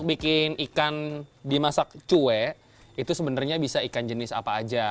bikin ikan dimasak cuwe itu sebenarnya bisa ikan jenis apa aja